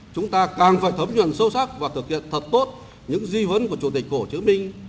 chúng ta càng phải thấm nhuận sâu sắc và thực hiện thật tốt những di vấn của chủ tịch hồ chí minh